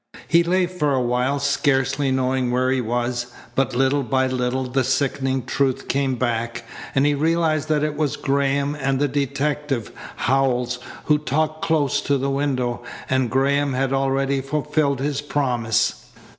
He lay for a time, scarcely knowing where he was, but little by little the sickening truth came back, and he realized that it was Graham and the detective, Howells, who talked close to the window, and Graham had already fulfilled his promise.